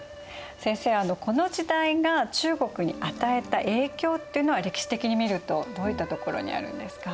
先生この時代が中国に与えた影響っていうのは歴史的に見るとどういったところにあるんですか？